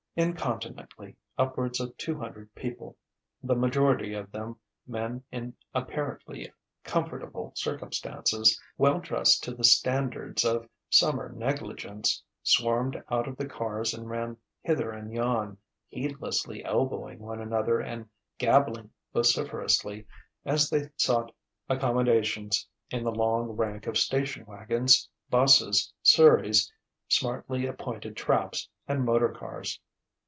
Incontinently, upwards of two hundred people, the majority of them men in apparently comfortable circumstances, well dressed to the standards of summer negligence, swarmed out of the cars and ran hither and yon, heedlessly elbowing one another and gabbling vociferously as they sought accommodation in the long rank of station wagons, 'buses, surreys, smartly appointed traps, and motor cars.